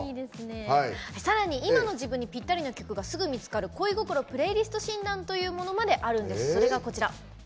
さらに今の自分にぴったりの曲が見つかる「恋心プレイリスト診断」というのがあるんです。